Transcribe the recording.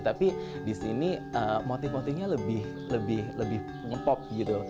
tapi di sini motif motifnya lebih ngepop gitu